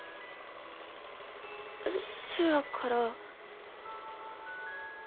そやから。